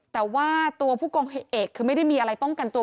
แต่ว่าตัวผู้กองเอกคือไม่ได้มีอะไรป้องกันตัว